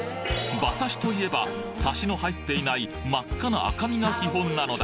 馬刺しといえばサシの入っていない真っ赤な赤身が基本なのだ。